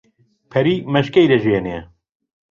پەری مەشکەی دەژێنێ